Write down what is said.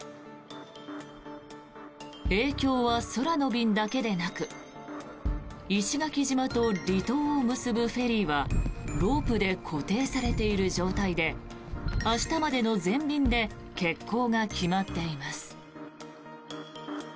影響は空の便だけでなく石垣島と離島を結ぶフェリーはロープで固定されている状態で明日までの全便で欠航が決まっています。